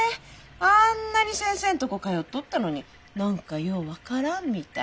あんなに先生んとこ通っとったのに何かよう分からんみたい。